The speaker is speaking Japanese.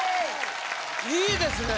いいですね